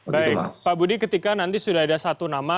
baik pak budi ketika nanti sudah ada satu nama